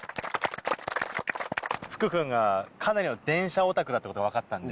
福君がかなりの電車オタクだってことが分かったんで。